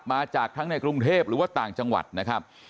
มาจากทั้งในกรุงเทพหรือว่าต่างจังหวัดนะครับ